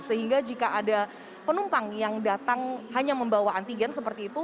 sehingga jika ada penumpang yang datang hanya membawa antigen seperti itu